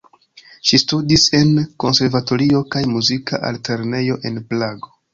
Ŝi studis en konservatorio kaj Muzika altlernejo en Prago.